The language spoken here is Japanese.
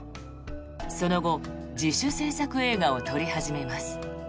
その後、自主制作映画を撮り始めます。